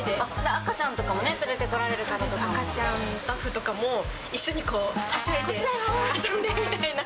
赤ちゃんとかも連れて来られスタッフとかも一緒にこう、はしゃいで遊んでみたいな。